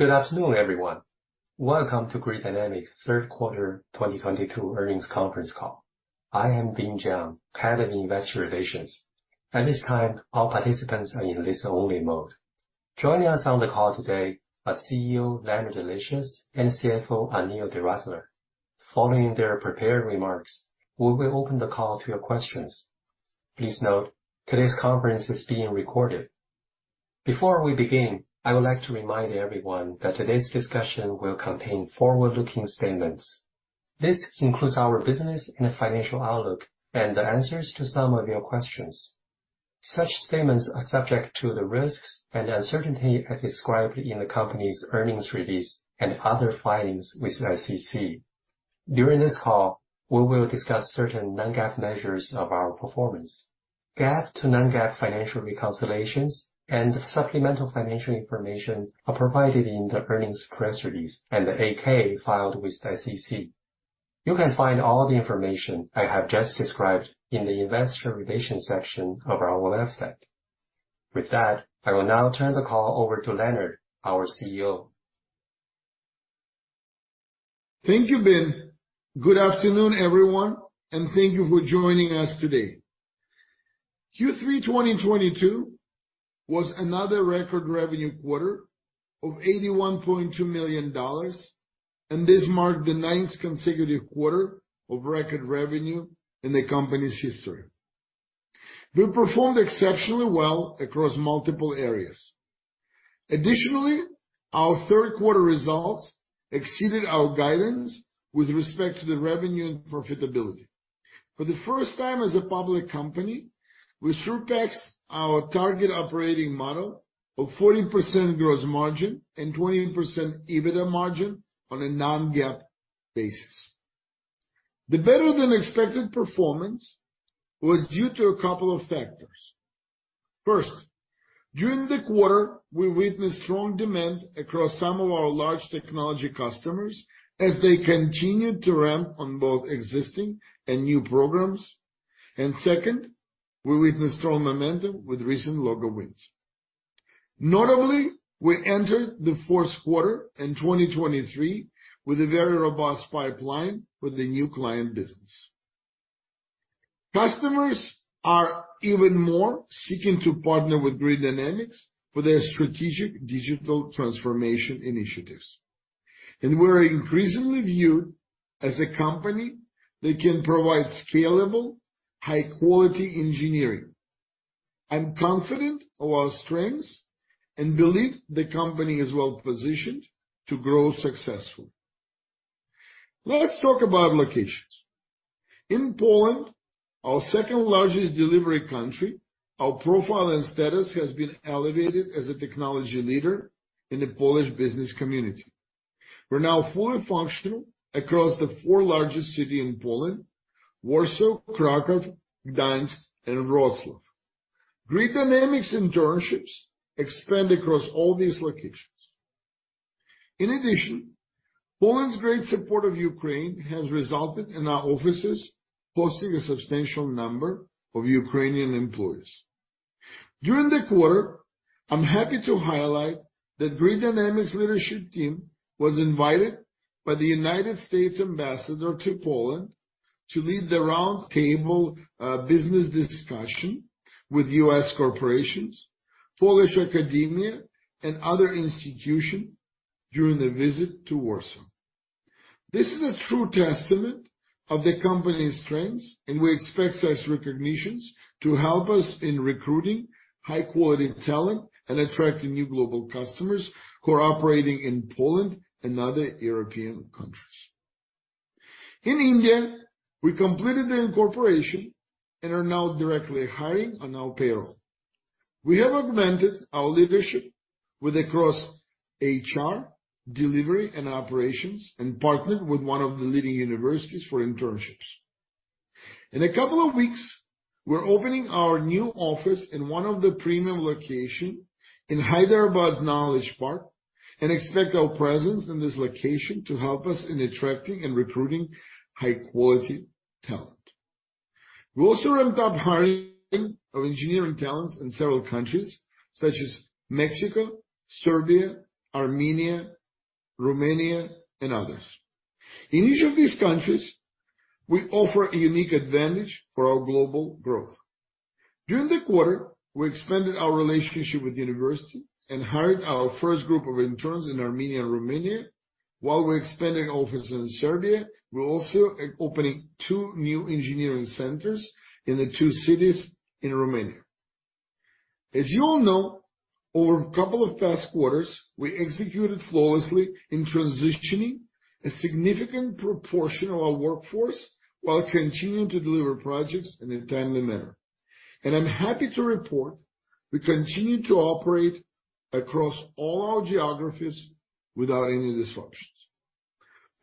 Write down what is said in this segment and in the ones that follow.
Good afternoon, everyone. Welcome to Grid Dynamics's third quarter 2022 earnings conference call. I am Bin Chiang, Head of Investor Relations. At this time, all participants are in listen-only mode. Joining us on the call today are CEO Leonard Livschitz and CFO Anil Doradla. Following their prepared remarks, we will open the call to your questions. Please note today's conference is being recorded. Before we begin, I would like to remind everyone that today's discussion will contain forward-looking statements. This includes our business and financial outlook, and the answers to some of your questions. Such statements are subject to the risks and uncertainty as described in the company's earnings release and other filings with the SEC. During this call, we will discuss certain non-GAAP measures of our performance. GAAP to non-GAAP financial reconciliations and supplemental financial information are provided in the earnings press release and the 8-K filed with the SEC. You can find all the information I have just described in the investor relations section of our website. With that, I will now turn the call over to Leonard, our CEO. Thank you, Bin. Good afternoon, everyone, and thank you for joining us today. Q3 2022 was another record revenue quarter of $81.2 million, and this marked the ninth consecutive quarter of record revenue in the company's history. We performed exceptionally well across multiple areas. Additionally, our third quarter results exceeded our guidance with respect to the revenue and profitability. For the first time as a public company, we surpassed our target operating model of 40% gross margin and 28% EBITDA margin on a non-GAAP basis. The better than expected performance was due to a couple of factors. First, during the quarter, we witnessed strong demand across some of our large technology customers as they continued to ramp on both existing and new programs. Second, we witnessed strong momentum with recent logo wins. Notably, we entered the fourth quarter in 2023 with a very robust pipeline for the new client business. Customers are even more seeking to partner with Grid Dynamics for their strategic digital transformation initiatives, and we're increasingly viewed as a company that can provide scalable, high-quality engineering. I'm confident of our strengths and believe the company is well-positioned to grow successfully. Let's talk about locations. In Poland, our second-largest delivery country, our profile and status has been elevated as a technology leader in the Polish business community. We're now fully functional across the four largest city in Poland, Warsaw, Kraków, Gdańsk, and Wrocław. Grid Dynamics internships expand across all these locations. In addition, Poland's great support of Ukraine has resulted in our offices hosting a substantial number of Ukrainian employees. During the quarter, I'm happy to highlight that Grid Dynamics' leadership team was invited by the United States ambassador to Poland to lead the roundtable business discussion with U.S. corporations, Polish academia, and other institutions during the visit to Warsaw. This is a true testament of the company's strengths, and we expect such recognitions to help us in recruiting high-quality talent and attracting new global customers who are operating in Poland and other European countries. In India, we completed the incorporation and are now directly hiring on our payroll. We have augmented our leadership across HR, Delivery, and Operations, and partnered with one of the leading universities for internships. In a couple of weeks, we're opening our new office in one of the premium locations in Hyderabad's Knowledge Park and expect our presence in this location to help us in attracting and recruiting high-quality talent. We also ramped up hiring of engineering talents in several countries such as Mexico, Serbia, Armenia, Romania, and others. In each of these countries, we offer a unique advantage for our global growth. During the quarter, we expanded our relationship with universities and hired our first group of interns in Armenia and Romania. While we're expanding offices in Serbia, we're also opening two new engineering centers in the two cities in Romania. As you all know, over a couple of past quarters, we executed flawlessly in transitioning a significant proportion of our workforce while continuing to deliver projects in a timely manner. I'm happy to report we continue to operate across all our geographies without any disruptions.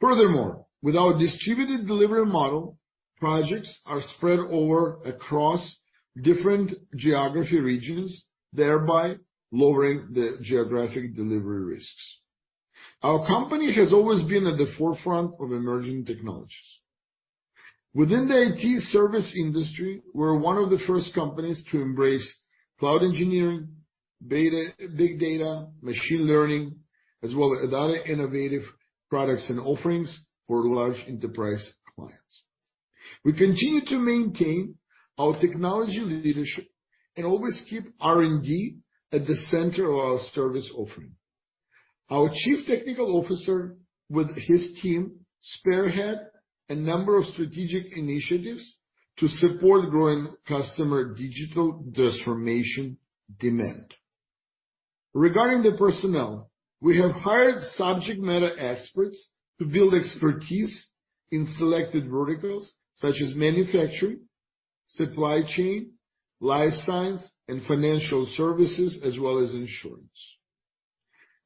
Furthermore, with our distributed delivery model, projects are spread across different geographic regions, thereby lowering the geographic delivery risks. Our company has always been at the forefront of emerging technologies. Within the IT service industry, we're one of the first companies to embrace cloud engineering, big data, machine learning, as well as other innovative products and offerings for large enterprise clients. We continue to maintain our technology leadership and always keep R&D at the center of our service offering. Our chief technical officer with his team spearhead a number of strategic initiatives to support growing customer digital transformation demand. Regarding the personnel, we have hired subject matter experts to build expertise in selected verticals such as Manufacturing, Supply Chain, Life Science, and Financial Services, as well as Insurance.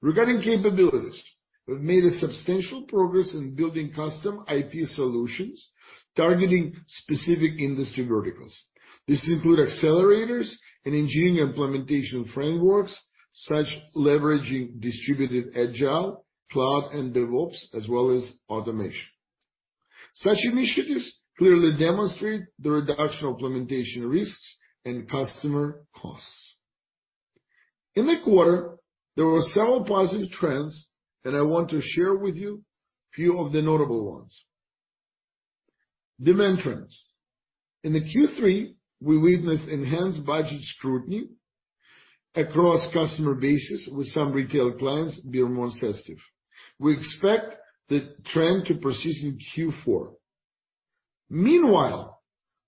Regarding capabilities, we've made a substantial progress in building custom IP solutions targeting specific industry verticals. These include accelerators and engineering implementation frameworks, such as leveraging distributed agile, Cloud and DevOps, as well as automation. Such initiatives clearly demonstrate the reduction of implementation risks and customer costs. In the quarter, there were several positive trends, and I want to share with you few of the notable ones. Demand trends. In the Q3, we witnessed enhanced budget scrutiny across customer bases, with some retail clients being more sensitive. We expect the trend to persist in Q4. Meanwhile,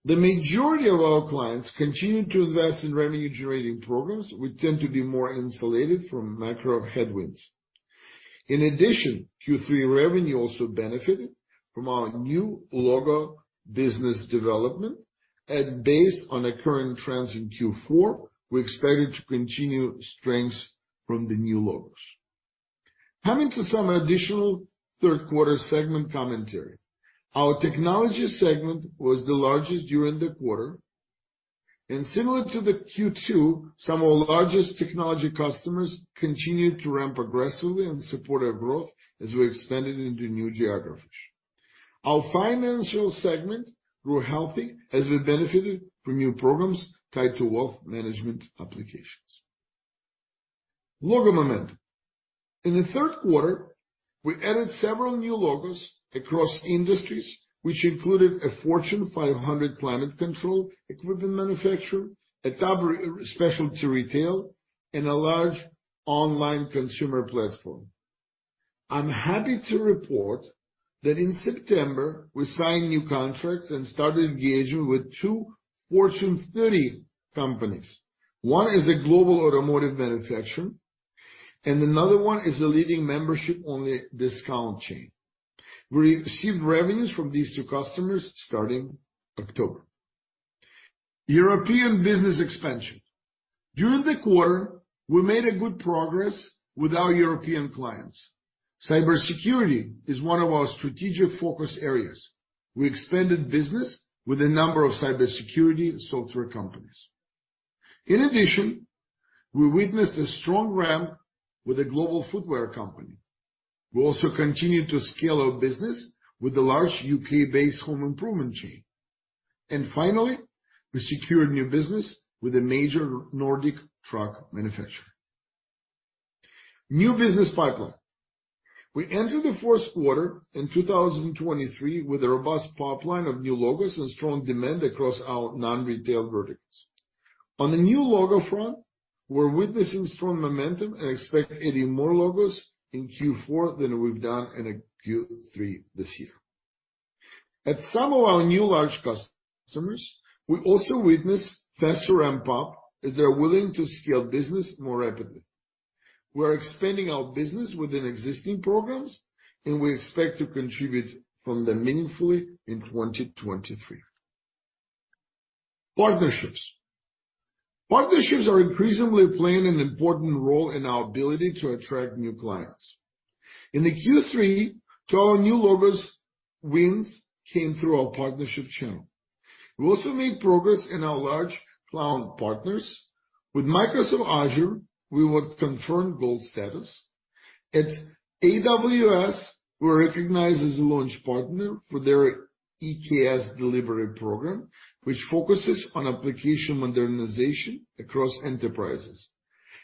the majority of our clients continued to invest in revenue-generating programs, which tend to be more insulated from macro headwinds. In addition, Q3 revenue also benefited from our new logo business development, and based on the current trends in Q4, we expected to continue strengths from the new logos. Coming to some additional third quarter segment commentary. Our technology segment was the largest during the quarter, and similar to the Q2, some of our largest technology customers continued to ramp aggressively and support our growth as we expanded into new geographies. Our financial segment grew healthy as we benefited from new programs tied to wealth management applications. Logo momentum. In the third quarter, we added several new logos across industries, which included a Fortune 500 climate control equipment manufacturer, a top specialty retail, and a large online consumer platform. I'm happy to report that in September, we signed new contracts and started engaging with two Fortune 30 companies. One is a global automotive manufacturer, and another one is a leading membership-only discount chain. We received revenues from these two customers starting October. European business expansion. During the quarter, we made a good progress with our European clients. Cybersecurity is one of our strategic focus areas. We expanded business with a number of cybersecurity software companies. In addition, we witnessed a strong ramp with a global footwear company. We also continued to scale our business with the large U.K.-based home improvement chain. Finally, we secured new business with a major Nordic truck manufacturer. New business pipeline. We entered the fourth quarter in 2023 with a robust pipeline of new logos and strong demand across our non-retail verticals. On the new logo front, we're witnessing strong momentum and expect adding more logos in Q4 than we've done in Q3 this year. At some of our new large customers, we also witnessed faster ramp-up as they're willing to scale business more rapidly. We're expanding our business within existing programs, and we expect to contribute from them meaningfully in 2023. Partnerships. Partnerships are increasingly playing an important role in our ability to attract new clients. In Q3, two of our new logo wins came through our partnership channel. We also made progress in our large cloud partners. With Microsoft Azure, we were confirmed Gold status. At AWS, we're recognized as a launch partner for their EKS delivery program, which focuses on application modernization across enterprises.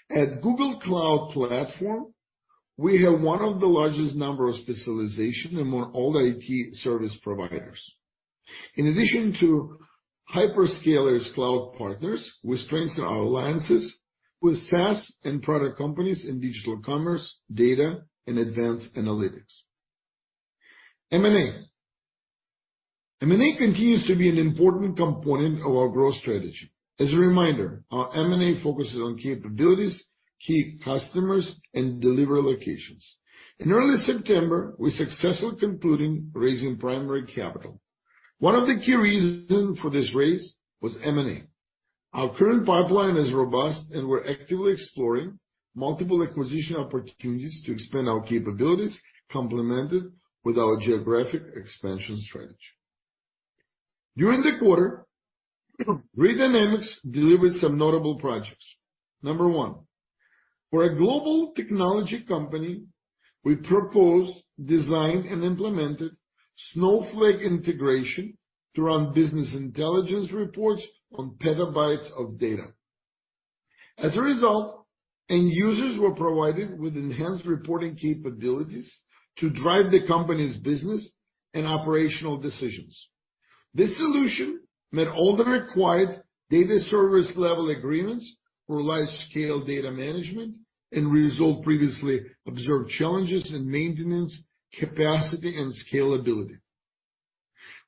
At Google Cloud Platform, we have one of the largest number of specializations among all IT service providers. In addition to hyperscalers cloud partners, we strengthen our alliances with SaaS and product companies in digital commerce, data, and advanced analytics. M&A continues to be an important component of our growth strategy. As a reminder, our M&A focuses on capabilities, key customers, and delivery locations. In early September, we successfully concluded raising primary capital. One of the key reasons for this raise was M&A. Our current pipeline is robust, and we're actively exploring multiple acquisition opportunities to expand our capabilities, complemented with our geographic expansion strategy. During the quarter, Grid Dynamics delivered some notable projects. Number one. For a global technology company, we proposed, designed and implemented Snowflake integration to run business intelligence reports on petabytes of data. As a result, end users were provided with enhanced reporting capabilities to drive the company's business and operational decisions. This solution met all the required data service level agreements for large-scale data management and resolved previously observed challenges in maintenance, capacity, and scalability.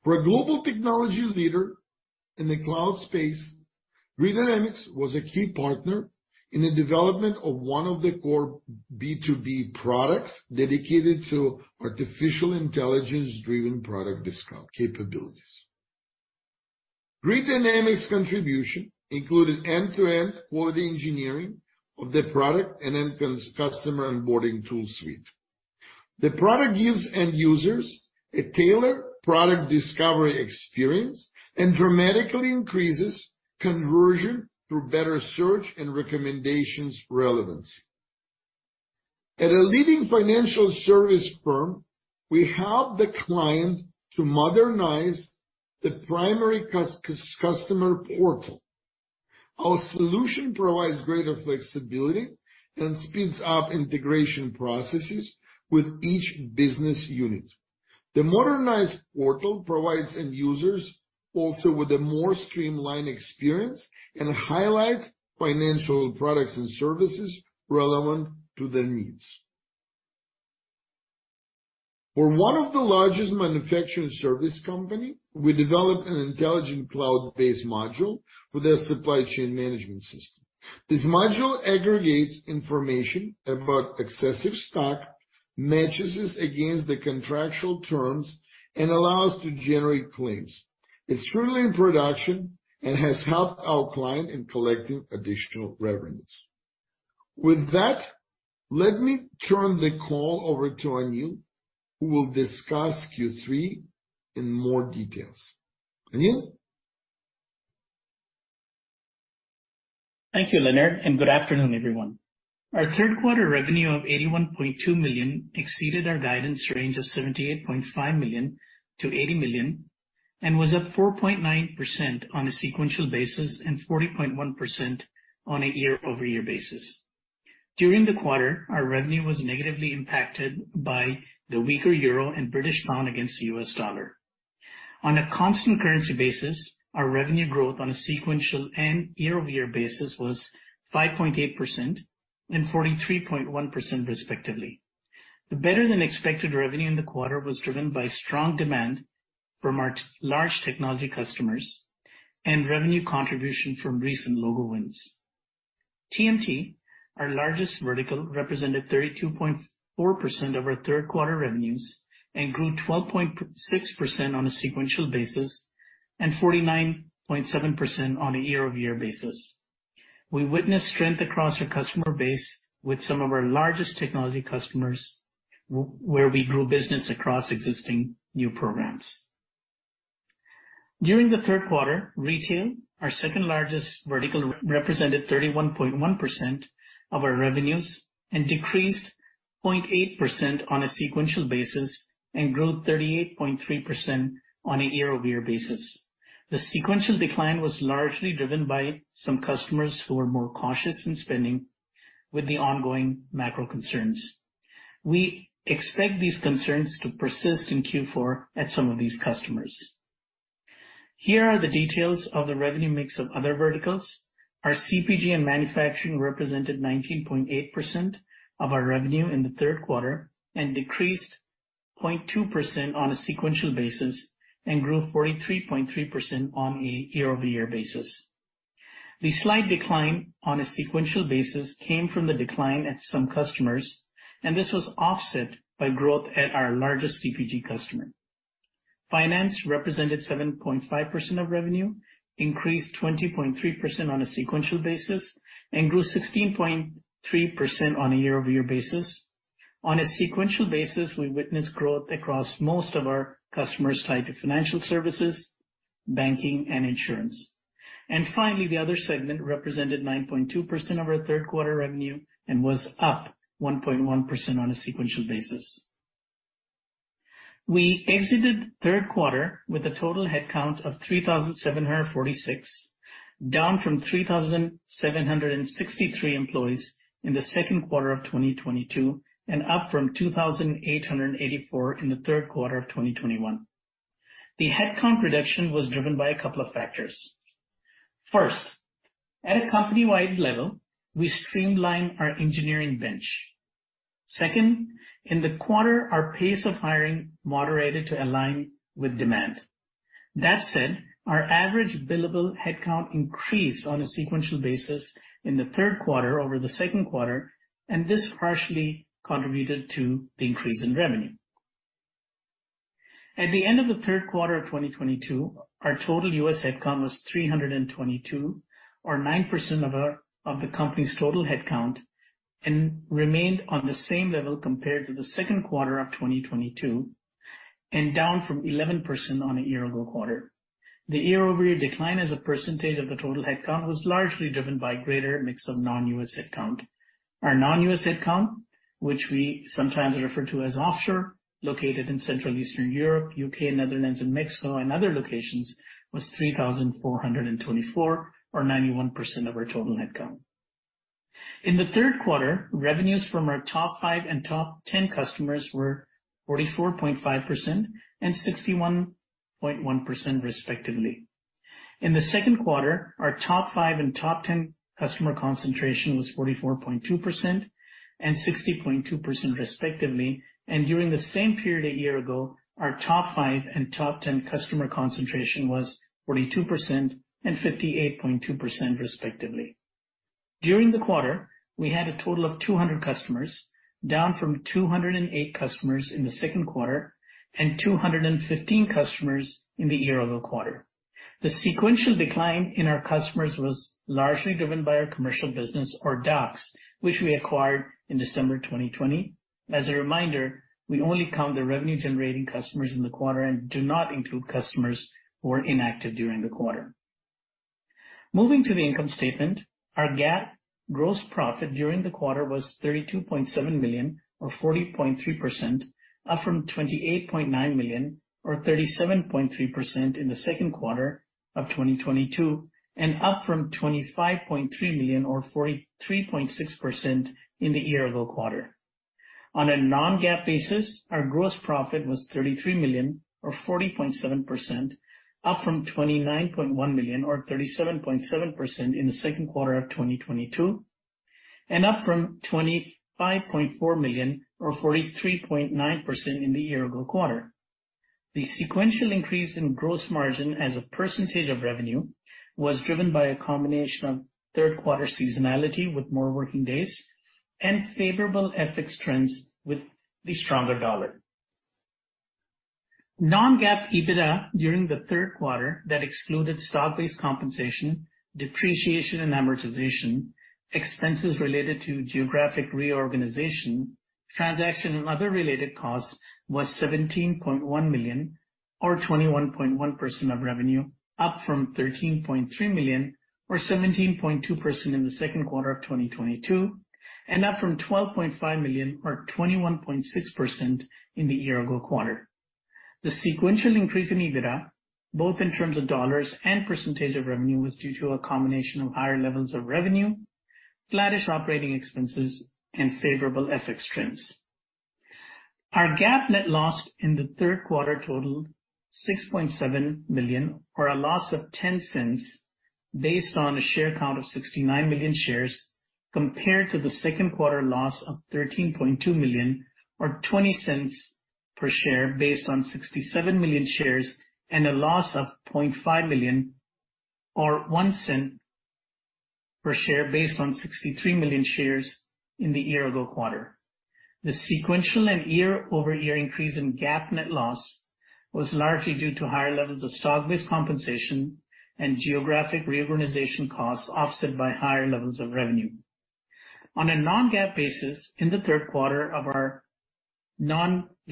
For a global technology leader in the cloud space, Grid Dynamics was a key partner in the development of one of the core B2B products dedicated to artificial intelligence-driven product discount capabilities. Grid Dynamics contribution included end-to-end quality engineering of the product and customer onboarding tool suite. The product gives end users a tailored product discovery experience and dramatically increases conversion through better search and recommendations relevance. At a leading financial service firm, we help the client to modernize the primary customer portal. Our solution provides greater flexibility and speeds up integration processes with each business unit. The modernized portal provides end users also with a more streamlined experience and highlights financial products and services relevant to their needs. For one of the largest manufacturing service company, we developed an intelligent cloud-based module for their supply chain management system. This module aggregates information about excessive stock, matches it against the contractual terms, and allows to generate claims. It's currently in production and has helped our client in collecting additional revenues. With that, let me turn the call over to Anil, who will discuss Q3 in more details. Anil? Thank you, Leonard, and good afternoon, everyone. Our third quarter revenue of $81.2 million exceeded our guidance range of $78.5 million-$80 million and was up 4.9% on a sequential basis and 40.1% on a year-over-year basis. During the quarter, our revenue was negatively impacted by the weaker euro and British pound against the U.S. dollar. On a constant currency basis, our revenue growth on a sequential and year-over-year basis was 5.8% and 43.1%, respectively. The better than expected revenue in the quarter was driven by strong demand from our large technology customers and revenue contribution from recent logo wins. TMT, our largest vertical, represented 32.4% of our third quarter revenues and grew 12.6% on a sequential basis and 49.7% on a year-over-year basis. We witnessed strength across our customer base with some of our largest technology customers where we grew business across existing new programs. During the third quarter, retail, our second-largest vertical, represented 31.1% of our revenues and decreased 0.8% on a sequential basis and grew 38.3% on a year-over-year basis. The sequential decline was largely driven by some customers who are more cautious in spending with the ongoing macro concerns. We expect these concerns to persist in Q4 at some of these customers. Here are the details of the revenue mix of other verticals. Our CPG and Manufacturing represented 19.8% of our revenue in the third quarter and decreased 0.2% on a sequential basis and grew 43.3% on a year-over-year basis. The slight decline on a sequential basis came from the decline at some customers, and this was offset by growth at our largest CPG customer. Finance represented 7.5% of revenue, increased 20.3% on a sequential basis, and grew 16.3% on a year-over-year basis. On a sequential basis, we witnessed growth across most of our customers tied to financial services, banking, and insurance. Finally, the other segment represented 9.2% of our third quarter revenue and was up 1.1% on a sequential basis. We exited third quarter with a total headcount of 3,746, down from 3,763 employees in the second quarter of 2022 and up from 2,884 in the third quarter of 2021. The headcount reduction was driven by a couple of factors. First, at a company-wide level, we streamlined our engineering bench. Second, in the quarter, our pace of hiring moderated to align with demand. That said, our average billable headcount increased on a sequential basis in the third quarter over the second quarter, and this partially contributed to the increase in revenue. At the end of the third quarter of 2022, our total U.S. headcount was 322 or 9% of the company's total headcount and remained on the same level compared to the second quarter of 2022 and down from 11% on a year-ago quarter. The year-over-year decline as a percentage of the total headcount was largely driven by greater mix of non-U.S. headcount. Our non-US headcount, which we sometimes refer to as offshore, located in Central and Eastern Europe, U.K., Netherlands, and Mexico and other locations, was 3,424 or 91% of our total headcount. In the third quarter, revenues from our top five and top ten customers were 44.5% and 61.1% respectively. In the second quarter, our top five and top 10 customer concentration was 44.2% and 60.2% respectively. During the same period a year ago, our top five and top 10 customer concentration was 42% and 58.2% respectively. During the quarter, we had a total of 200 customers, down from 208 customers in the second quarter and 215 customers in the year-ago quarter. The sequential decline in our customers was largely driven by our commercial business of Daxx, which we acquired in December 2020. As a reminder, we only count the revenue-generating customers in the quarter and do not include customers who are inactive during the quarter. Moving to the income statement. Our GAAP gross profit during the quarter was $32.7 million or 40.3%, up from $28.9 million or 37.3% in the second quarter of 2022, and up from $25.3 million or 43.6% in the year-ago quarter. On a non-GAAP basis, our gross profit was $33 million or 40.7%, up from $29.1 million or 37.7% in the second quarter of 2022, and up from $25.4 million or 43.9% in the year-ago quarter. The sequential increase in gross margin as a percentage of revenue was driven by a combination of third quarter seasonality with more working days and favorable FX trends with the stronger dollar. Non-GAAP EBITDA during the third quarter that excluded stock-based compensation, depreciation and amortization, expenses related to geographic reorganization, transaction and other related costs was $17.1 million or 21.1% of revenue, up from $13.3 million or 17.2% in the second quarter of 2022, and up from $12.5 million or 21.6% in the year-ago quarter. The sequential increase in EBITDA, both in terms of dollars and percentage of revenue, was due to a combination of higher levels of revenue, flattish operating expenses, and favorable FX trends. Our GAAP net loss in the third quarter totaled $6.7 million or a loss of $0.10 based on a share count of 69 million shares, compared to the second quarter loss of $13.2 million or $0.20 per share based on 67 million shares, and a loss of $0.5 million or $0.01 per share based on 63 million shares in the year-ago quarter. The sequential and year-over-year increase in GAAP net loss was largely due to higher levels of stock-based compensation and geographic reorganization costs, offset by higher levels of revenue.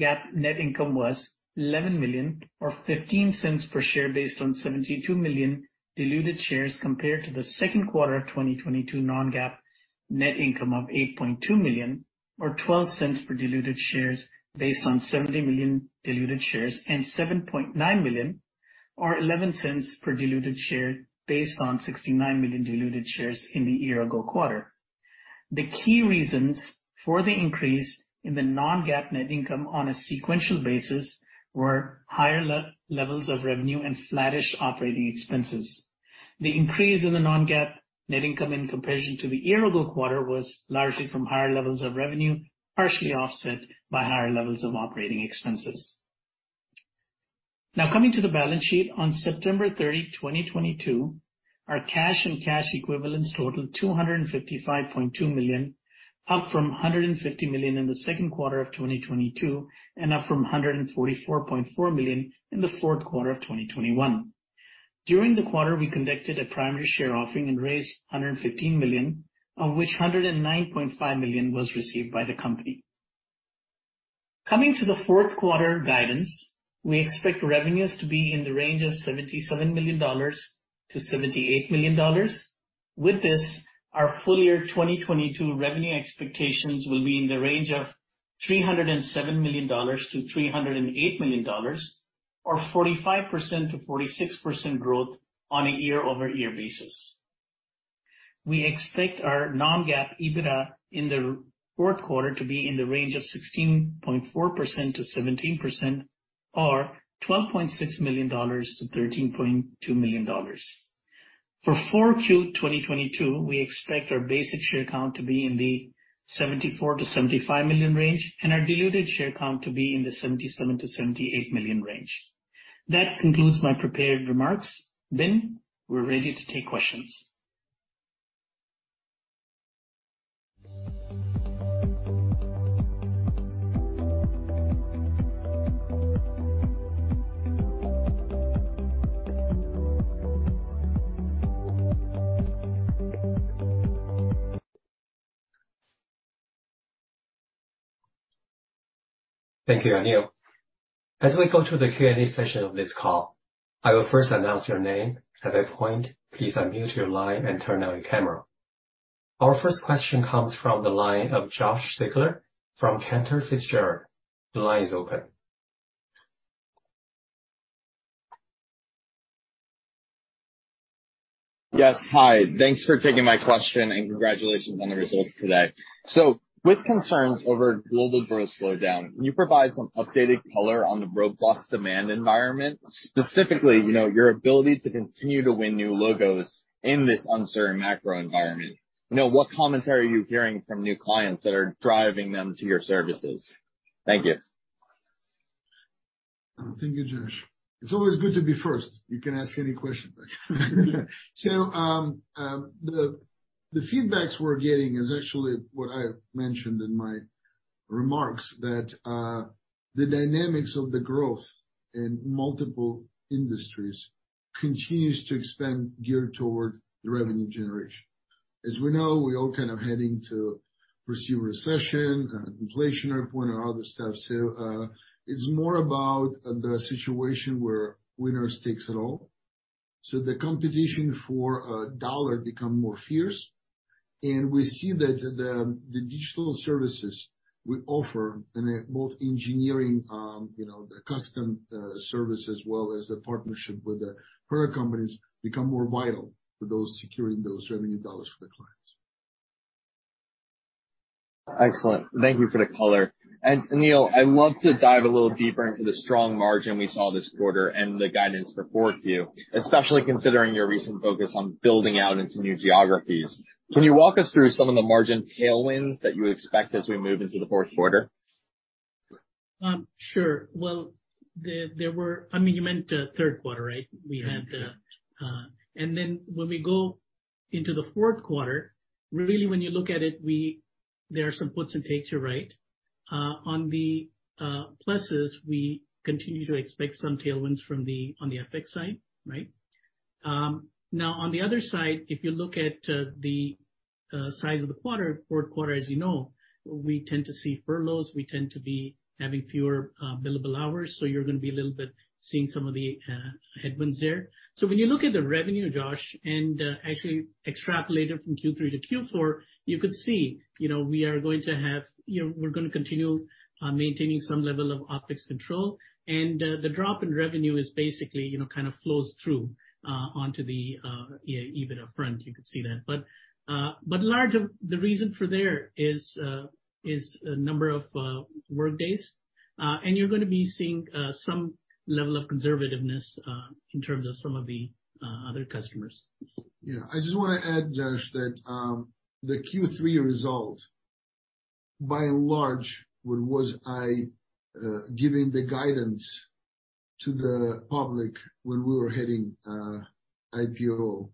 On a non-GAAP basis in the third quarter our non-GAAP net income was $11 million or $0.15 per share based on 72 million diluted shares compared to the second quarter of 2022 non-GAAP net income of $8.2 million or twelve cents per diluted shares based on 70 million diluted shares and $7.9 million or eleven cents per diluted share based on 69 million diluted shares in the year-ago quarter. The key reasons for the increase in the non-GAAP net income on a sequential basis were higher levels of revenue and flattish operating expenses. The increase in the non-GAAP net income in comparison to the year-ago quarter was largely from higher levels of revenue, partially offset by higher levels of operating expenses. Now coming to the balance sheet. On September 30, 2022, our cash and cash equivalents totaled $255.2 million, up from $150 million in the second quarter of 2022 and up from $144.4 million in the fourth quarter of 2021. During the quarter, we conducted a primary share offering and raised $115 million, of which $109.5 million was received by the company. Coming to the fourth quarter guidance, we expect revenues to be in the range of $77 million-$78 million. With this, our full year 2022 revenue expectations will be in the range of $307 million-$308 million or 45%-46% growth on a year-over-year basis. We expect our non-GAAP EBITDA in the fourth quarter to be in the range of 16.4%-17% or $12.6 million-$13.2 million. For 4Q 2022, we expect our basic share count to be in the 74 million-75 million range and our diluted share count to be in the 77 million-78 million range. That concludes my prepared remarks. Bin, we're ready to take questions. Thank you, Anil. As we go to the Q&A session of this call, I will first announce your name. At that point, please unmute your line and turn on your camera. Our first question comes from the line of Josh Siegler from Cantor Fitzgerald. The line is open. Yes. Hi. Thanks for taking my question, and congratulations on the results today. With concerns over global growth slowdown, can you provide some updated color on the robust demand environment, specifically, you know, your ability to continue to win new logos in this uncertain macro environment? You know, what commentary are you hearing from new clients that are driving them to your services? Thank you. Thank you, Josh. It's always good to be first. You can ask any question. The feedback we're getting is actually what I mentioned in my remarks that the dynamics of the growth in multiple industries continues to expand geared toward the revenue generation. As we know, we're all kind of heading towards a recession, kind of inflection point or other stuff. It's more about the situation where winner takes it all. The competition for dollars become more fierce. We see that the digital services we offer in both engineering, you know, the custom service as well as the partnership with the product companies become more vital for those securing those revenue dollars for the clients. Excellent. Thank you for the color. Anil, I'd love to dive a little deeper into the strong margin we saw this quarter and the guidance for fourth Q, especially considering your recent focus on building out into new geographies. Can you walk us through some of the margin tailwinds that you expect as we move into the fourth quarter? Sure. Well, I mean, you meant third quarter, right? When we go into the fourth quarter, really when you look at it, there are some puts and takes here, right? On the pluses we continue to expect some tailwinds on the FX side, right? Now on the other side, if you look at the size of the quarter, fourth quarter as you know, we tend to see furloughs. We tend to be having fewer billable hours, so you're gonna be a little bit seeing some of the headwinds there. When you look at the revenue, Josh, and actually extrapolated from Q3-Q4, you could see, you know, we're gonna continue maintaining some level of OpEx control. The drop in revenue is basically, you know, kind of flows through onto the EBITDA front, you could see that. A large part of the reason for that is a number of workdays. You're gonna be seeing some level of conservativeness in terms of some of the other customers. Yeah. I just wanna add, Josh, that the Q3 result, by and large, when I was giving the guidance to the public when we were hitting IPO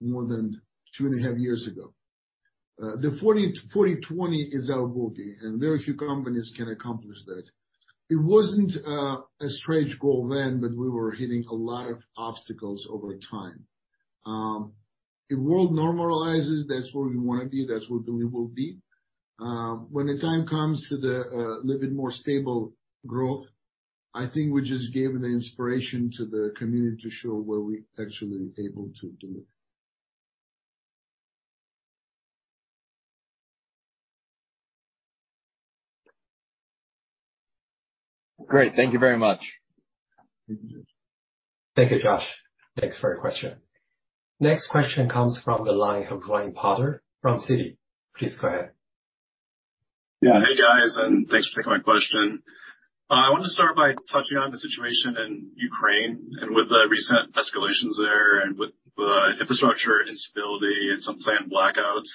more than 2.5 years ago. The 40/20 is our booking, and very few companies can accomplish that. It wasn't a stretch goal then, but we were hitting a lot of obstacles over time. If world normalizes, that's where we wanna be, that's what we will be. When the time comes to the little bit more stable growth, I think we just gave the inspiration to the community to show what we're actually able to deliver. Great. Thank you very much. Thank you, Josh.Thanks for your question. Next question comes from the line of Ryan Potter from Citi. Please go ahead. Yeah. Hey, guys, and thanks for taking my question. I want to start by touching on the situation in Ukraine and with the recent escalations there and with the infrastructure instability and some planned blackouts.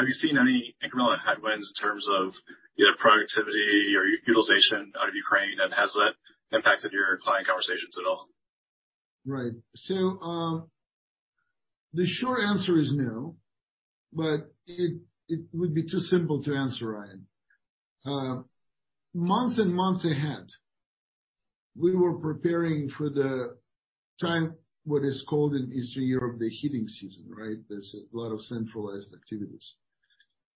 Have you seen any incremental headwinds in terms of either productivity or utilization out of Ukraine, and has that impacted your client conversations at all? Right. The short answer is no, but it would be too simple to answer, Ryan. Months and months ahead, we were preparing for the time what is called in Eastern Europe the heating season, right? There's a lot of centralized activities.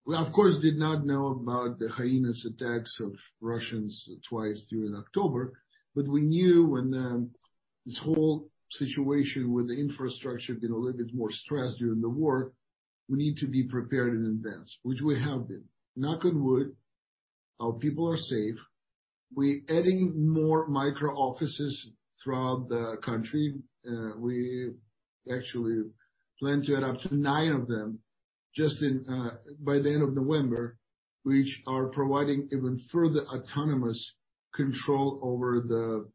We, of course, did not know about the heinous attacks of Russians twice during October, but we knew when, this whole situation with the infrastructure had been a little bit more stressed during the war, we need to be prepared in advance, which we have been. Knock on wood, our people are safe. We adding more micro offices throughout the country. We actually plan to add up to nine of them just in by the end of November, which are providing even further autonomous control over the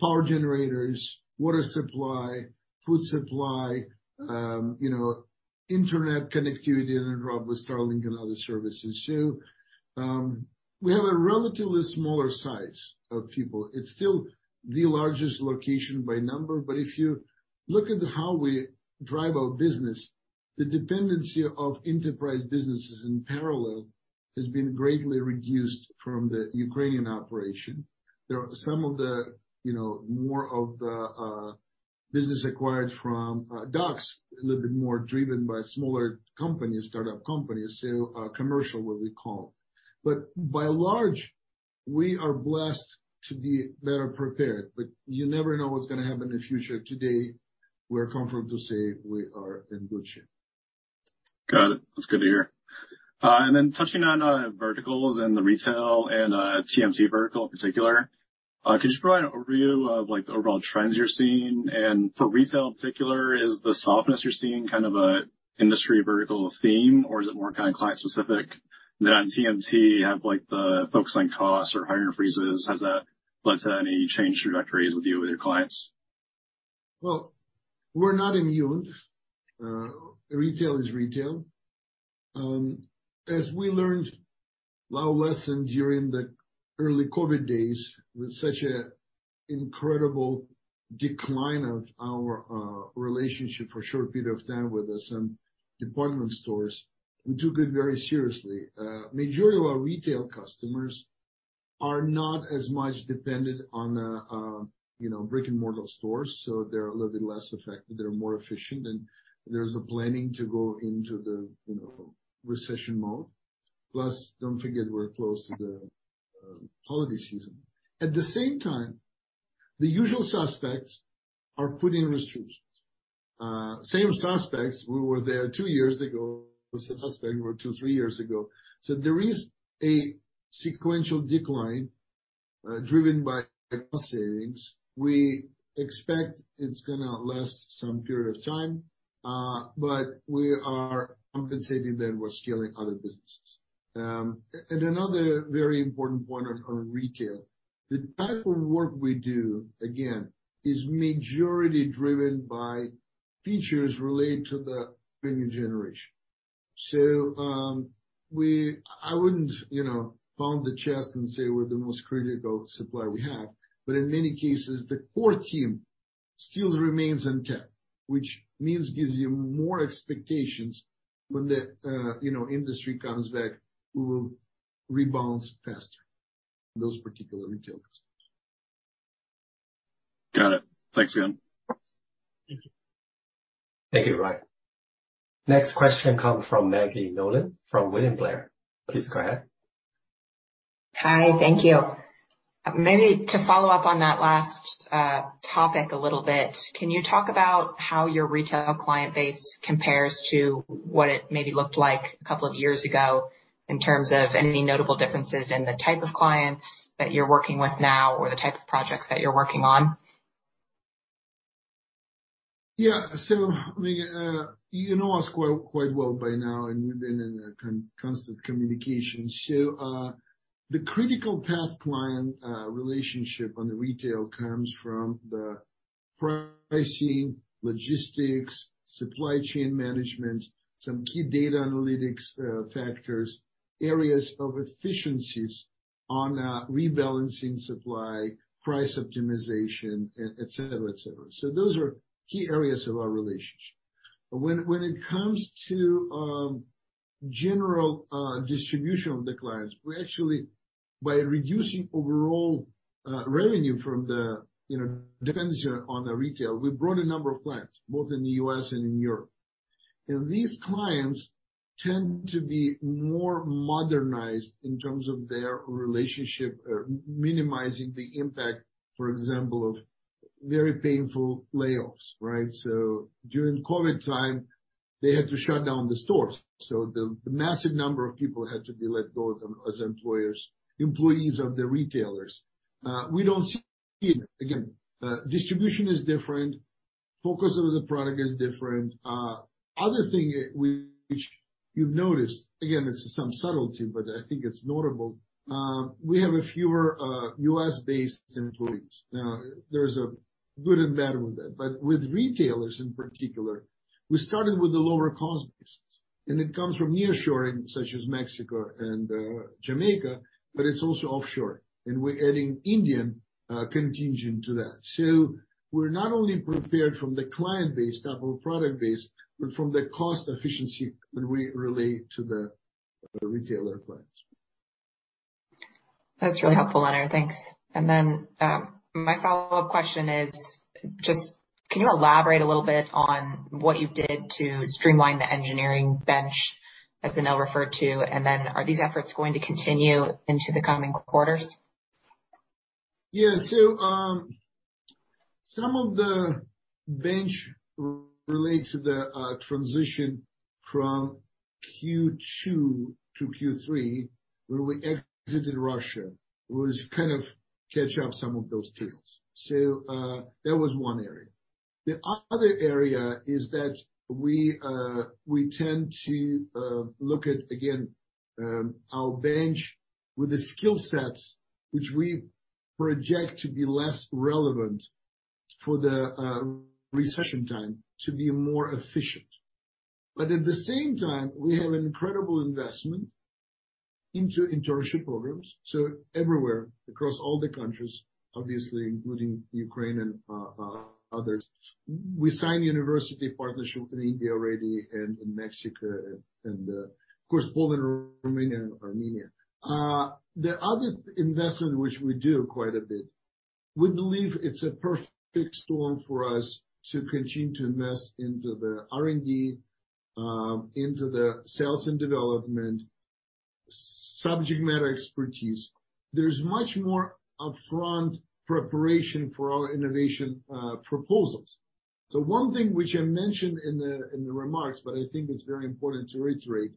power generators, water supply, food supply, you know, internet connectivity in a drop with Starlink and other services. We have a relatively smaller size of people. It's still the largest location by number. If you look at how we drive our business, the dependency of enterprise businesses in parallel has been greatly reduced from the Ukrainian operation. There are some of the, you know, more of the business acquired from Daxx a little bit more driven by smaller companies, startup companies. Commercial, what we call. But by large, we are blessed to be better prepared, but you never know what's gonna happen in the future. Today, we're comfortable to say we are in good shape. Got it. That's good to hear. Touching on verticals and the retail and TMT vertical in particular, could you provide an overview of like the overall trends you're seeing? For retail in particular, is the softness you're seeing kind of a industry vertical theme, or is it more kind of client specific? On TMT, have like the focus on costs or hiring freezes, has that led to any change trajectories with your clients? Well, we're not immune. Retail is retail. As we learned our lesson during the early COVID days with such an incredible decline of our relationship for a short period of time with some department stores, we took it very seriously. Majority of our retail customers are not as much dependent on the you know, brick-and-mortar stores, so they're a little bit less affected. They're more efficient. There's a planning to go into the you know, recession mode. Plus, don't forget we're close to the holiday season. At the same time, the usual suspects are putting restrictions. Same suspects who were there two years ago, were suspects two/three years ago. There is a sequential decline driven by cost savings. We expect it's gonna last some period of time, but we are compensating that with scaling other businesses. And another very important point on retail, the type of work we do, again, is majority driven by features related to the revenue generation. I wouldn't, you know, pound the chest and say we're the most critical supply we have, but in many cases, the core team still remains untapped, which means gives you more expectations when the, you know, industry comes back, we will rebalance faster those particular retail customers. Got it. Thanks again. Thank you. Thank you, Ryan. Next question comes from Maggie Nolan from William Blair. Please go ahead. Hi. Thank you. Maybe to follow up on that last topic a little bit, can you talk about how your retail client base compares to what it maybe looked like a couple of years ago in terms of any notable differences in the type of clients that you're working with now or the type of projects that you're working on? Yeah. You know us quite well by now, and we've been in a constant communication. The critical path client relationship on the retail comes from the pricing, logistics, supply chain management, some key data analytics, factors, areas of efficiencies on, rebalancing supply, price optimization, et cetera, et cetera. Those are key areas of our relationship. When it comes to general distribution of the clients, we actually by reducing overall revenue from the, you know, dependency on the retail, we brought a number of clients, both in the U.S. and in Europe. These clients tend to be more modernized in terms of their relationship or minimizing the impact, for example, of very painful layoffs, right? During COVID time, they had to shut down the stores, the massive number of people had to be let go as employers employees of the retailers. We don't see it again. Distribution is different. Focus of the product is different. Other thing which you've noticed, again, it's some subtlety, but I think it's notable, we have a fewer U.S.-based employees. Now, there's a good and bad with that. With retailers in particular, we started with the lower cost basis, and it comes from nearshoring such as Mexico and Jamaica, but it's also offshore. We're adding Indian contingent to that. We're not only prepared from the client base type of product base, but from the cost efficiency when we relate to the retailer plans. That's really helpful, Leonard. Thanks. My follow-up question is just can you elaborate a little bit on what you did to streamline the engineering bench, as Anil referred to? Are these efforts going to continue into the coming quarters? Yeah. Some of the bench relates to the transition from Q2 -Q3 when we exited Russia. It was kind of catch up some of those tails. That was one area. The other area is that we tend to look at, again, our bench with the skill sets which we project to be less relevant for the recession time to be more efficient. At the same time, we have incredible investment into internship programs. Everywhere across all the countries, obviously including Ukraine and others. We sign university partnership in India already and in Mexico and, of course, both in Romania and Armenia. The other investment which we do quite a bit. We believe it's a perfect storm for us to continue to invest into the R&D, into the sales and development, subject matter expertise. There's much more upfront preparation for our innovation, proposals. One thing which I mentioned in the remarks, but I think it's very important to reiterate,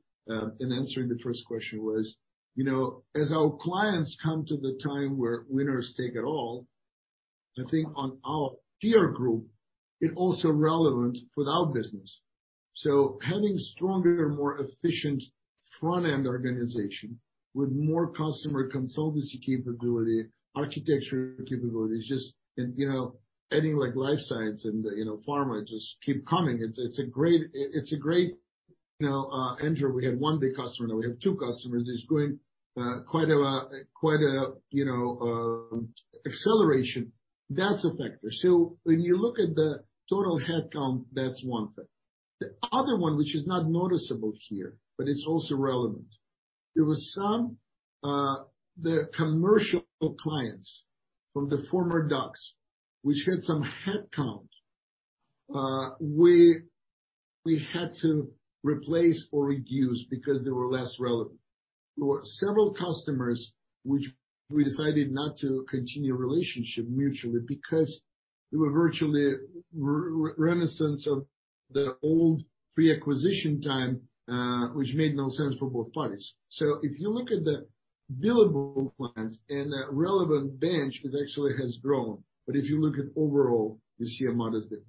in answering the first question was, you know, as our clients come to the time where winners take it all, I think on our peer group, it's also relevant for our business. Having stronger, more efficient front-end organization with more customer consultancy capability, architecture capabilities, just, you know, adding like life science and, you know, pharma just keep coming. It's a great, you know, entry. We had one big customer, now we have two customers. It's growing quite a you know acceleration. That's a factor. When you look at the total headcount, that's one thing. The other one, which is not noticeable here, but it's also relevant. There were some of the commercial clients from the former Daxx which had some headcount, we had to r eplace or reduce because they were less relevant. There were several customers which we decided not to continue relationship mutually because they were virtually reminiscent of the old pre-acquisition time, which made no sense for both parties. If you look at the billable plans and the relevant bench, it actually has grown. If you look at overall, you see a modest dip.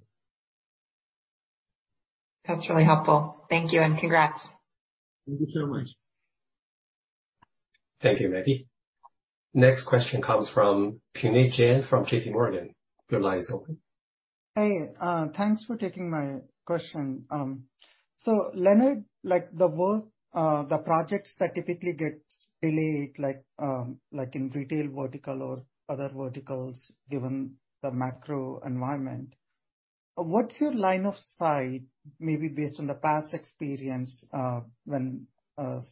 That's really helpful. Thank you, and congrats. Thank you so much. Thank you, Maggie. Next question comes from Puneet Jain from JPMorgan. Your line is open. Hey, thanks for taking my question. So, Leonard, like the work, the projects that typically gets delayed, like in retail vertical or other verticals, given the macro environment, what's your line of sight, maybe based on the past experience, when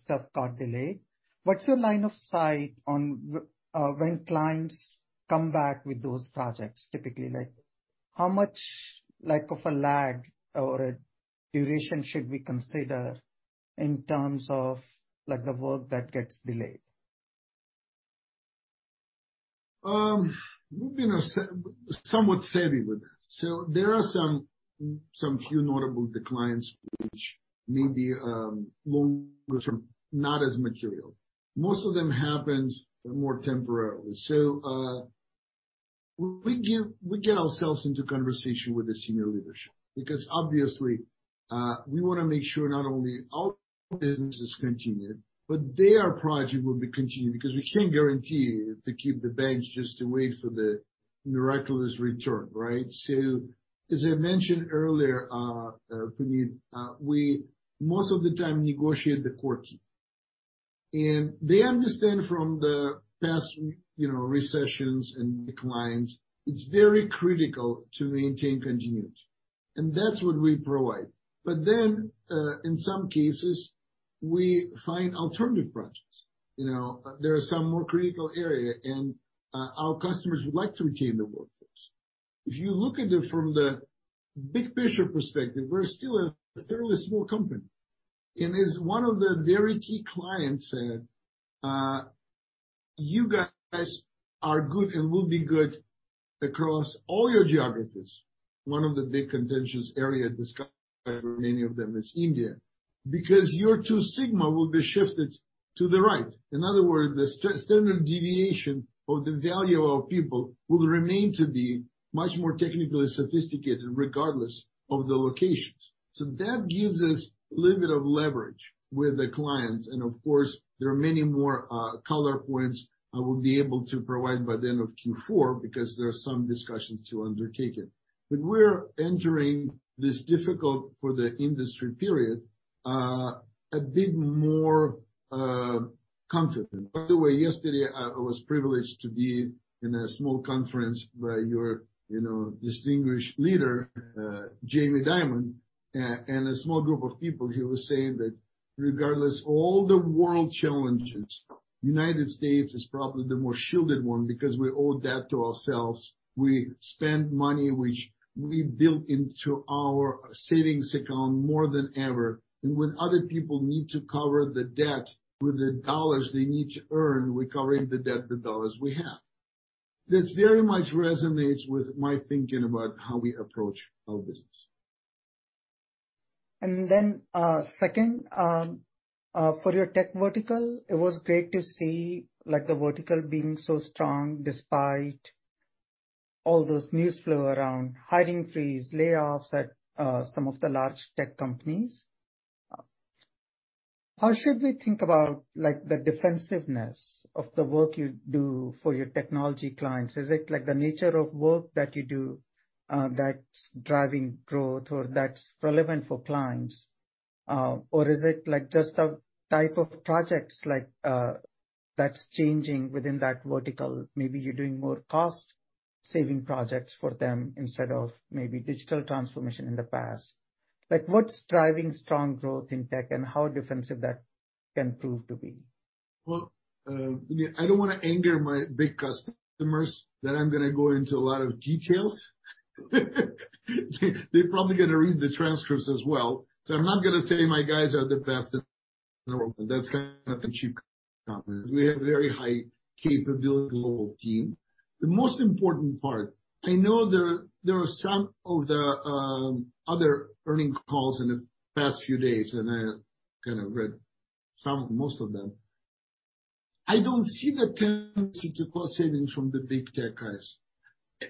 stuff got delayed? What's your line of sight on when clients come back with those projects, typically, like how much like of a lag or a duration should we consider in terms of like the work that gets delayed? You know, somewhat savvy with that. There are some few notable declines which may be long term, not as material. Most of them happened more temporarily. We get ourselves into conversation with the senior leadership because obviously we wanna make sure not only our business is continued, but their project will be continued because we can't guarantee to keep the bench just to wait for the miraculous return, right? As I mentioned earlier, Puneet, we most of the time negotiate the core team. They understand from the past, you know, recessions and declines, it's very critical to maintain continuity, and that's what we provide. In some cases, we find alternative projects. You know, there are some more critical area and our customers would like to retain the workforce. If you look at it from the big picture perspective, we're still a fairly small company. As one of the very key clients said, "You guys are good and will be good across all your geographies." One of the big contentious area discussed by many of them is India. Because your two sigma will be shifted to the right. In other words, the standard deviation of the value of people will remain to be much more technically sophisticated regardless of the locations. That gives us a little bit of leverage with the clients. Of course, there are many more color points I will be able to provide by the end of Q4 because there are some discussions to undertake it. We're entering this difficult period for the industry, a bit more confident. By the way, yesterday I was privileged to be in a small conference by your, you know, distinguished leader, Jamie Dimon, and a small group of people. He was saying that regardless all the world challenges, United States is probably the more shielded one because we owe debt to ourselves. We spend money which we built into our savings account more than ever. When other people need to cover the debt with the dollars they need to earn, we're covering the debt with dollars we have. This very much resonates with my thinking about how we approach our business. Second, for your tech vertical, it was great to see like the vertical being so strong despite all those news flow around hiring freeze, layoffs at some of the large tech companies. How should we think about like the defensiveness of the work you do for your technology clients? Is it like the nature of work that you do that's driving growth or that's relevant for clients? Or is it like just the type of projects like that's changing within that vertical? Maybe you're doing more cost saving projects for them instead of maybe digital transformation in the past. Like what's driving strong growth in tech and how defensive that can prove to be? Well, I don't wanna anger my big customers, that I'm gonna go into a lot of details. They're probably gonna read the transcripts as well. I'm not gonna say my guys are the best in the world. That's kinda cheap compliment. We have very high capability global team. The most important part, I know there are some of the other earnings calls in the past few days, and I kinda read some, most of them. I don't see the tendency to cost savings from the big tech guys.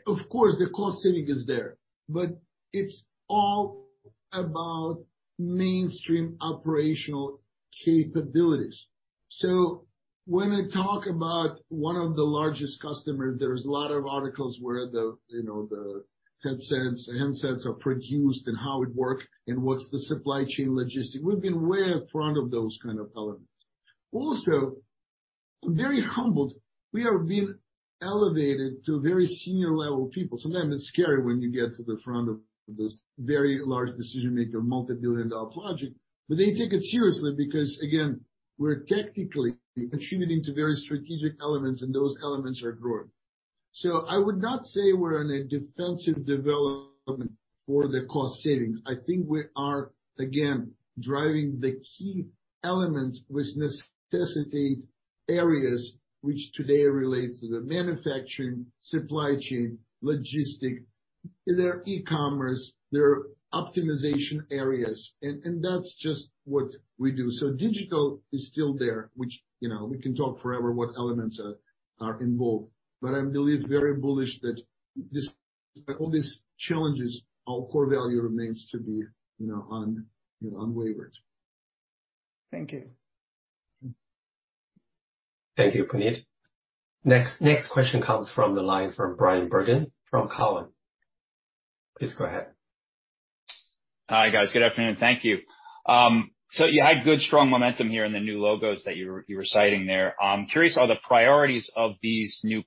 Of course, the cost saving is there, but it's all about mainstream operational capabilities. When I talk about one of the largest customer, there's a lot of articles where the, you know, the headsets, the handsets are produced and how it work and what's the supply chain logistic. We've been way up front of those kind of elements. Also, very humbled, we are being elevated to very senior level people. Sometimes it's scary when you get to the front of this very large decision-maker, multi-billion dollar logistics. They take it seriously because, again, we're technically contributing to very strategic elements, and those elements are growing. I would not say we're in a defensive development for the cost savings. I think we are, again, driving the key elements which necessitate areas which today relates to the Manufacturing, Supply Chain, Logistics. There are e-commerce, there are optimization areas, and that's just what we do. Digital is still there, which, you know, we can talk forever what elements are involved. I believe very bullish that this, all these challenges, our core value remains to be, you know, unwavering. Thank you. Thank you, Puneet. Next question comes from the line of Bryan Bergin from Cowen. Please go ahead. Hi, guys. Good afternoon. Thank you. You had good strong momentum here in the new logos that you were citing there. I'm curious, are the priorities of these new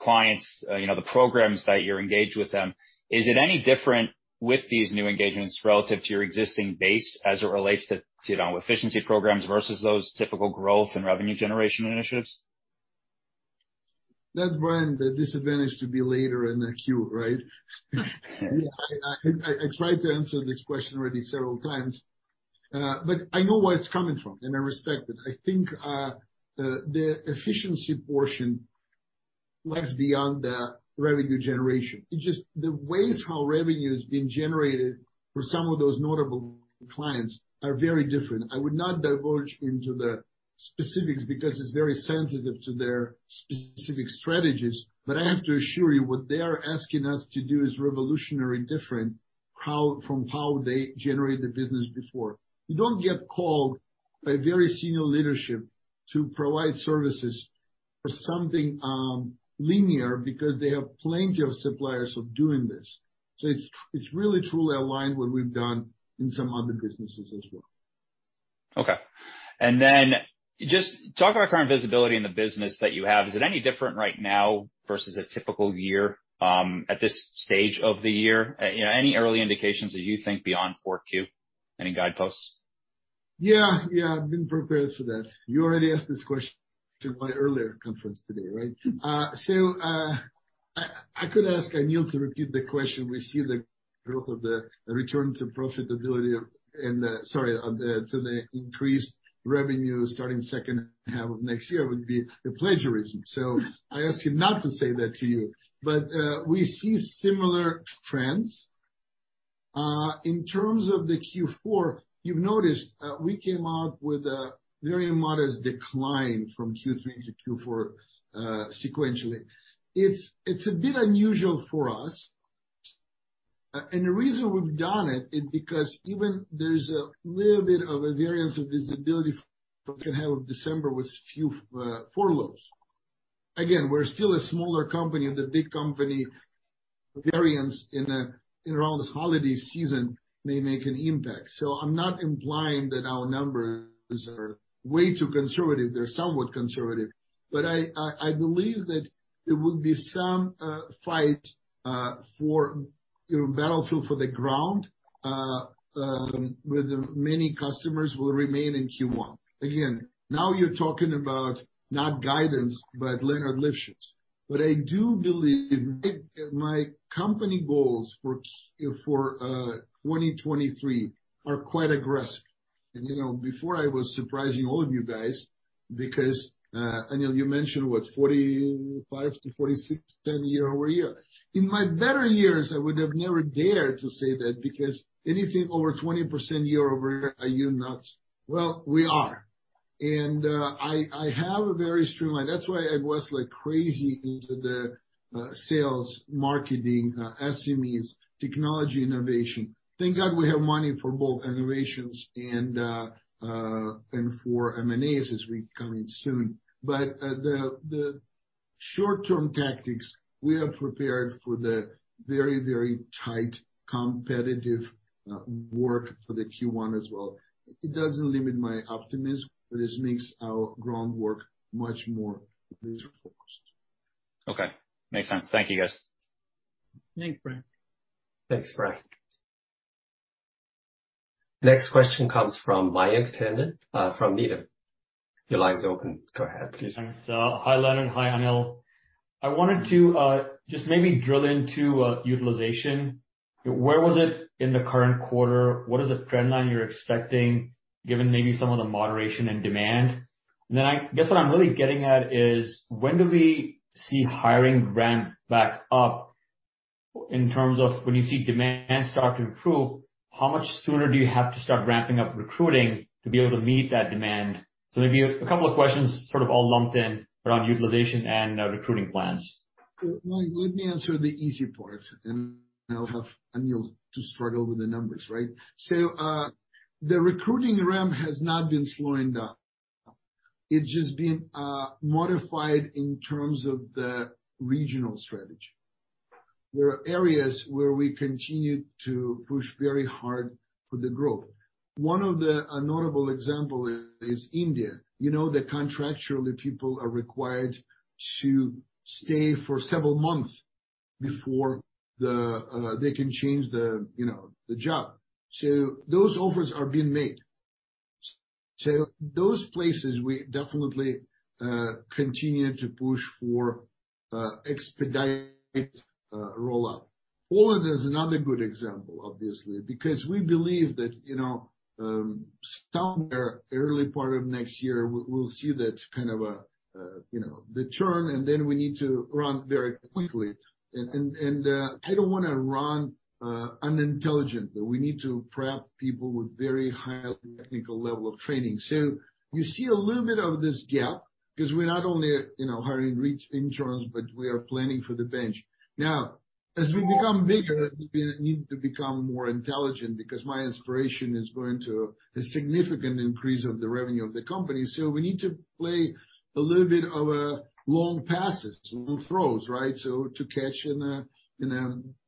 clients, you know, the programs that you're engaged with them, is it any different with these new engagements relative to your existing base as it relates to, you know, efficiency programs versus those typical growth and revenue generation initiatives? That's, Bryan, the disadvantage to be later in the queue, right? I tried to answer this question already several times, but I know where it's coming from, and I respect it. I think the efficiency portion lags beyond the revenue generation. It's just the ways how revenue is being generated for some of those notable clients are very different. I would not delve into the specifics because it's very sensitive to their specific strategies. But I have to assure you, what they are asking us to do is revolutionary different from how they generated the business before. You don't get called by very senior leadership to provide services for something linear, because they have plenty of suppliers of doing this. It's really truly aligned what we've done in some other businesses as well. Okay. Just talk about current visibility in the business that you have. Is it any different right now versus a typical year at this stage of the year? You know, any early indications as you think beyond Q4? Any guideposts? Yeah. Yeah, I've been prepared for that. You already asked this question in my earlier conference today, right? So, I could ask Anil to repeat the question. We see the growth of the return to profitability on the increased revenue starting second half of next year would be a plagiarism. I ask him not to say that to you. We see similar trends. In terms of the Q4, you've noticed we came out with a very modest decline from Q3-Q4 sequentially. It's a bit unusual for us. The reason we've done it is because even there's a little bit of a variance of visibility from second half of December with few furloughs. We're still a smaller company, and the big company variance in around the holiday season may make an impact. I'm not implying that our numbers are way too conservative. They're somewhat conservative. I believe that there will be some fight for the battlefield for the ground with the many customers will remain in Q1. Now you're talking about not guidance, but Leonard Livschitz. I do believe my company goals for 2023 are quite aggressive. You know, before I was surprising all of you guys because Anil, you mentioned, what, 45%-46%, 10% year-over-year. In my better years, I would have never dared to say that because anything over 20% year-over-year, are you nuts? Well, we are. I have a very streamlined. That's why I was, like, crazy into the sales, marketing, SMEs, technology innovation. Thank God we have money for both innovations and for M&As as we coming soon. The short-term tactics, we are prepared for the very tight competitive work for the Q1 as well. It doesn't limit my optimism, but it makes our groundwork much more laser-focused. Okay. Makes sense. Thank you, guys. Thanks, Frank. Thanks, Frank. Next question comes from Mayank Tandon, from Needham. Your line is open. Go ahead, please. Hi, Leonard. Hi, Anil. I wanted to just maybe drill into utilization. Where was it in the current quarter? What is the trend line you're expecting given maybe some of the moderation and demand? I guess what I'm really getting at is when do we see hiring ramp back up in terms of when you see demand start to improve, how much sooner do you have to start ramping up recruiting to be able to meet that demand? Maybe a couple of questions sort of all lumped in around utilization and recruiting plans. Mayank, let me answer the easy part, and I'll have Anil to struggle with the numbers, right? The recruiting ramp has not been slowing down. It's just been modified in terms of the regional strategy. There are areas where we continue to push very hard for the growth. One of the notable example is India. You know that contractually people are required to stay for several months before they can change the, you know, the job. Those offers are being made. Those places we definitely continue to push for expedited rollout. Poland is another good example, obviously. Because we believe that, you know, somewhere early part of next year we'll see that kind of a, you know, the churn, and then we need to run very quickly. I don't wanna run unintelligently. We need to prep people with very high technical level of training. You see a little bit of this gap, 'cause we're not only, you know, hiring in churns, but we are planning for the bench. Now, as we become bigger, we need to become more intelligent because my aspiration is going to a significant increase of the revenue of the company. We need to play a little bit of a long passes, long throws, right? To catch in a,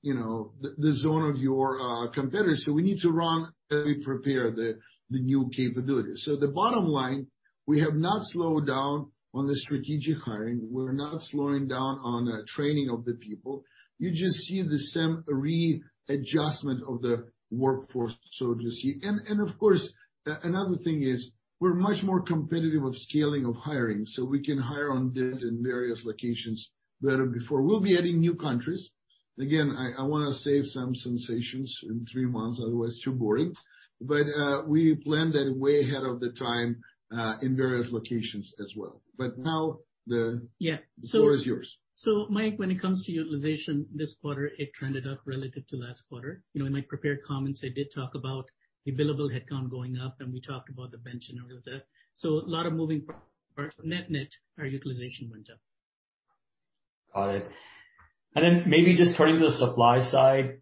you know, the zone of your competitors. We need to run, really prepare the new capabilities. The bottom line, we have not slowed down on the strategic hiring. We're not slowing down on the training of the people. You just see the same readjustment of the workforce, so you see. Of course, another thing is we're much more competitive with scaling of hiring, so we can hire on demand in various locations better before. We'll be adding new countries. Again, I wanna save some sensations in three months, otherwise too boring. We plan that way ahead of the time in various locations as well. But now the Yeah. The floor is yours. Mayank when it comes to utilization this quarter, it trended up relative to last quarter. You know, in my prepared comments, I did talk about the billable headcount going up, and we talked about the bench and all of that. A lot of moving parts. Net-net, our utilization went up. Got it. Then maybe just turning to the supply side,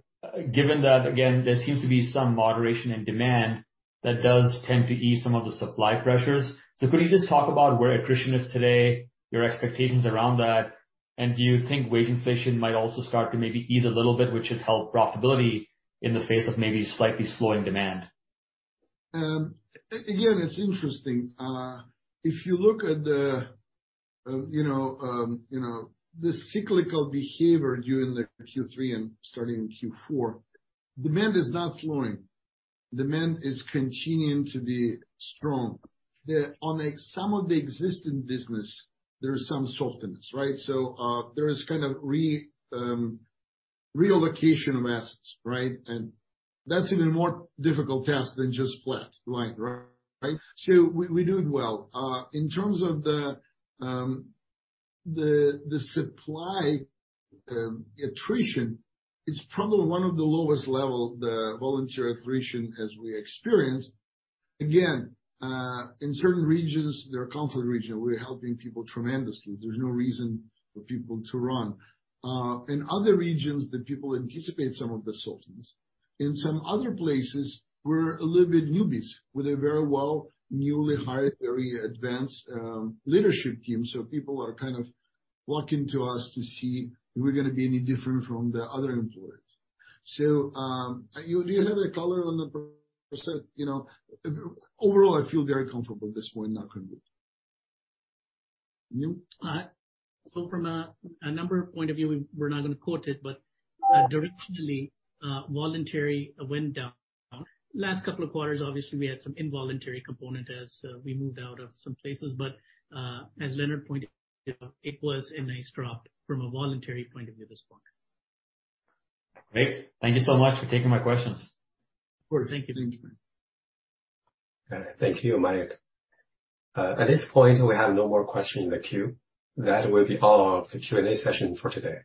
given that, again, there seems to be some moderation in demand that does tend to ease some of the supply pressures. Could you just talk about where attrition is today, your expectations around that, and do you think wage inflation might also start to maybe ease a little bit, which should help profitability in the face of maybe slightly slowing demand? Again, it's interesting. If you look at, you know, the cyclical behavior during the Q3 and starting in Q4, demand is not slowing. Demand is continuing to be strong. On, like, some of the existing business, there is some softness, right? There is kind of relocation of assets, right? And that's an even more difficult task than just flat line, right? We're doing well. In terms of the supply attrition, it's probably one of the lowest levels of volunteer attrition as we experienced. Again, in certain regions, there are conflict regions, we're helping people tremendously. There's no reason for people to run. In other regions, the people anticipate some of the softness. In some other places, we're a little bit newbies with a very well newly hired, very advanced, leadership team. People are kind of flocking to us to see if we're gonna be any different from the other employers. You have a color on the percent, you know. Overall, I feel very comfortable at this point, not gonna move. Anil? From a number point of view, we're not gonna quote it, but directionally, voluntary went down. Last couple of quarters obviously we had some involuntary component as we moved out of some places. As Leonard pointed out, it was a nice drop from a voluntary point of view this quarter. Great. Thank you so much for taking my questions. Of course. Thank you. Thank you, Mayank. At this point, we have no more question in the queue. That will be all of the Q&A session for today.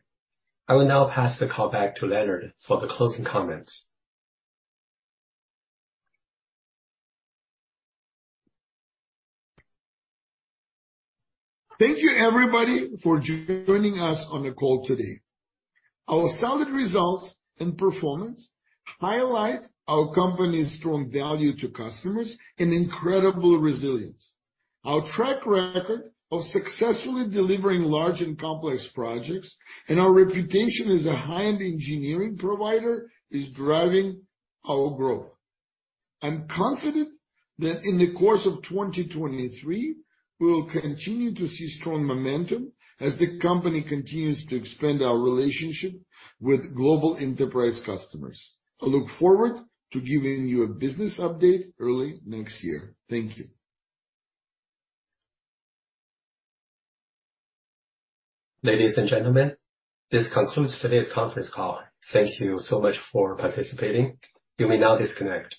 I will now pass the call back to Leonard for the closing comments. Thank you everybody for joining us on the call today. Our solid results and performance highlight our company's strong value to customers and incredible resilience. Our track record of successfully delivering large and complex projects and our reputation as a high-end engineering provider is driving our growth. I'm confident that in the course of 2023, we will continue to see strong momentum as the company continues to expand our relationship with global enterprise customers. I look forward to giving you a business update early next year. Thank you. Ladies and gentlemen, this concludes today's conference call. Thank you so much for participating. You may now disconnect.